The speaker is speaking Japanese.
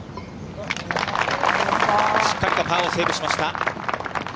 しっかりとパーをセーブしました。